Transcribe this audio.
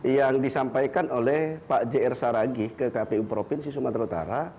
yang disampaikan oleh pak jr saragih ke kpu provinsi sumatera utara